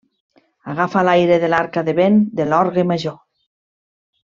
Agafa l'aire de l'arca de vent de l'Orgue Major.